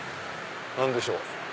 何でしょう？